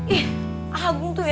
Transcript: ih ah gung tuh ya